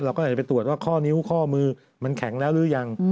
เราก็จะไปตรวจว่าข้อนิ้วข้อมือมันแข็งแล้วหรือยัง